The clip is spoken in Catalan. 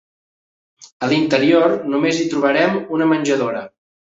A l'interior només hi trobarem una menjadora.